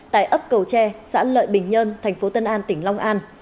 tại ấp cầu tre xã lợi bình nhơn thành phố tân an tỉnh long an